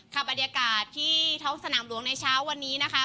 บรรยากาศที่ท้องสนามหลวงในเช้าวันนี้นะคะ